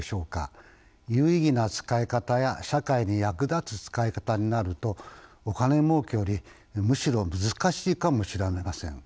有意義な使い方や社会に役立つ使い方になるとお金儲けよりむしろ難しいかもしれません。